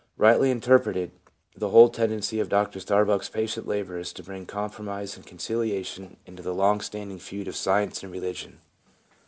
Rightly interpreted, the whole tendency of Dr Star buck's patient labour is to bring compromise and conciliation into the long standing feud of Science and Religion.